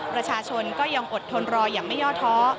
ประชาชนก็ยังอดทนรออย่างไม่ย่อท้อ